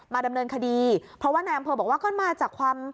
มาดำเนินคดีเพราะว่านายอำเภอบอกว่า